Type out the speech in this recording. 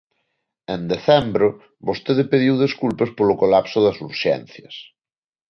En decembro, vostede pediu desculpas polo colapso das urxencias.